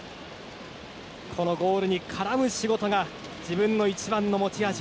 ゴールに絡む仕事が自分の一番の持ち味。